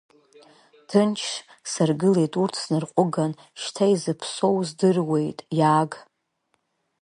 Ҭынч саргылеит урҭ снарҟәыган, шьҭа изыԥсоу здыруеит иааг.